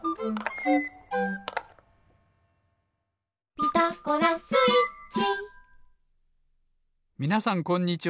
「ピタゴラスイッチ」みなさんこんにちは。